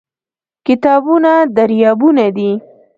کتابونه دریابونه دي.